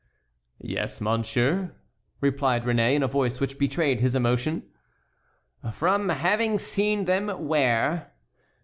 "Yes, monsieur," replied Réné, in a voice which betrayed his emotion. "From having seen them where?"